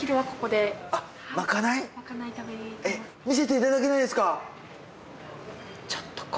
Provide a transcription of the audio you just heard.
見せていただけないですか？